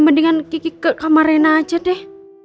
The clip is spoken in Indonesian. mendingan gigi ke kamar rena aja deh